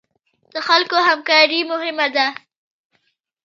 د خلکو همکاري مهمه ده